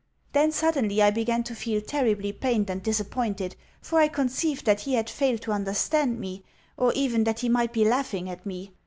Then suddenly I began to feel terribly pained and disappointed, for I conceived that he had failed to understand me, or even that he might be laughing at me.